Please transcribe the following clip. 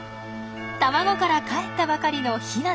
卵からかえったばかりのヒナです。